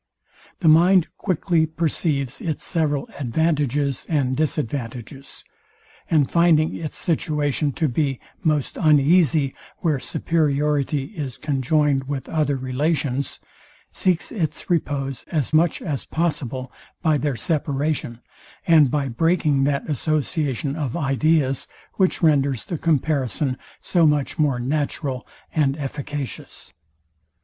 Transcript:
The mind quickly perceives its several advantages and disadvantages; and finding its situation to be most uneasy, where superiority is conjoined with other relations, seeks its repose as much as possible, by their separation, and by breaking that association of ideas, which renders the comparison so much more natural and efficacious.